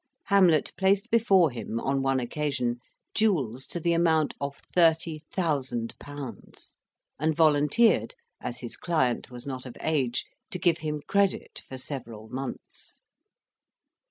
Hamlet placed before him, on one occasion, jewels to the amount of thirty thousand pounds, and volunteered, as his client was not of age, to give him credit for several months.